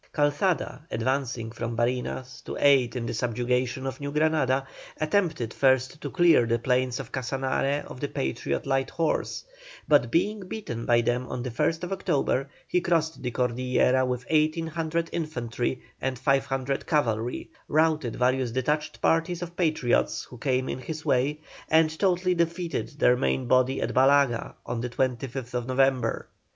Calzada, advancing from Barinas to aid in the subjugation of New Granada, attempted first to clear the plains of Casanare of the Patriot light horse, but being beaten by them on the 1st October, he crossed the Cordillera with 1,800 infantry and 500 cavalry, routed various detached parties of Patriots who came in his way, and totally defeated their main body at Balaga on the 25th November.